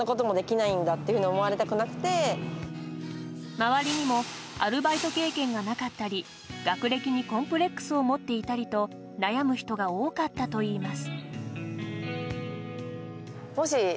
周りにもアルバイト経験がなかったり学歴にコンプレックスを持っていたりと悩む人が多かったといいます。